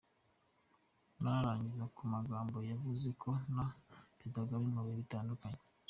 Narangiriza ku magambo yavuzwe na Perezida Kagame mu bihe bitandukanye: